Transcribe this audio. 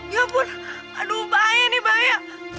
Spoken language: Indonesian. ya bun aduh bahaya nih bahaya